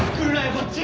こっち！